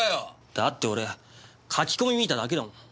だって俺書き込み見ただけだもん。